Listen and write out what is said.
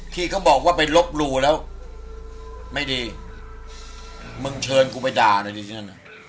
ที่เขาบอกว่าไปลบหลู่แล้วไม่ดีมึงเชิญกูไปด่าเลยดิฉัน